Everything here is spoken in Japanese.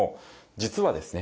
実はですね